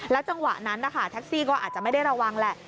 จังหวะนั้นนะคะแท็กซี่ก็อาจจะไม่ได้ระวังแหละ